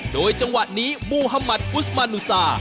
โดยจังหวะนี้มูฮัมัดอุซมานุสา